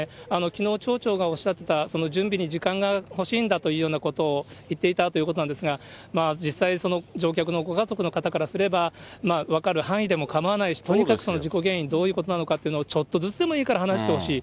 きのう、町長がおっしゃっていた、準備に時間が欲しいんだというようなことを言っていたということなんですが、実際、乗客のご家族の方からすれば、分かる範囲でも構わないし、とにかく事故原因、どういうことなのかっていうのを、ちょっとずつでも話してほしい。